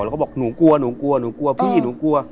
แล้วก็บอกหนูกลัวหนูกลัวหนูกลัวพี่หนูกลัว